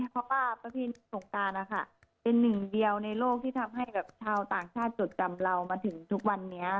เพราะว่าประเทศสงการนะคะเป็นหนึ่งเดียวในโลกที่ทำให้ชาวต่างชาติจดจำเรามาถึงทุกวันนี้